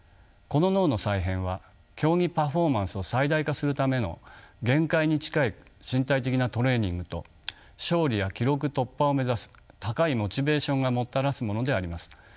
この脳の再編は競技パフォーマンスを最大化するための限界に近い身体的なトレーニングと勝利や記録突破を目指す高いモチベーションがもたらすものであります。